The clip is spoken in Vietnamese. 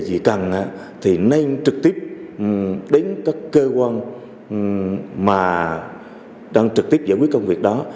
gì cần thì nên trực tiếp đến các cơ quan mà đang trực tiếp giải quyết công việc đó